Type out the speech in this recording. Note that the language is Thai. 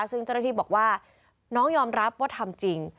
ซึ่งเจ้าหน้าที่บอกว่าน้องยอมรับว่าทำจริง